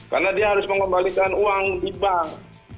karena dia harus mengembalikan uang di bank